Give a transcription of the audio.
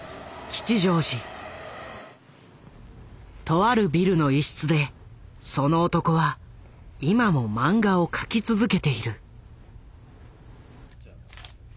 とあるビルの一室でその男は今も漫画を描き続けている。